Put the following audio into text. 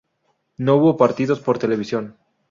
No hubo partidos por televisión.